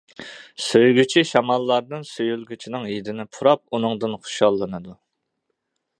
سۆيگۈچى شاماللاردىن سۆيۈلگۈچىنىڭ ھىدىنى پۇراپ ئۇنىڭدىن خۇشاللىنىدۇ.